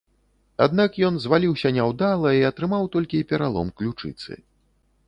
Аднак ён зваліўся няўдала і атрымаў толькі пералом ключыцы.